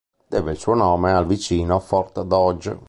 Deve il suo nome al vicino Fort Dodge.